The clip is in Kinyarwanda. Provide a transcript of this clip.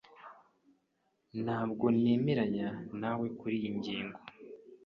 Ntabwo nemeranya nawe kuriyi ngingo.